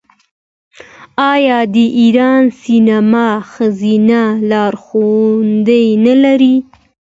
آیا د ایران سینما ښځینه لارښودانې نلري؟